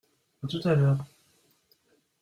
À tout à l’heure.